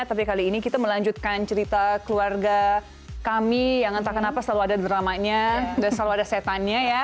tapi kali ini kita melanjutkan cerita keluarga kami yang entah kenapa selalu ada dramanya dan selalu ada setannya ya